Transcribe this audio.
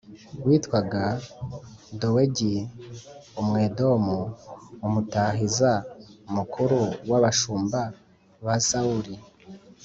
witwaga Dowegi Umwedomu, umutahiza mukuru w’abashumba ba Sawuli.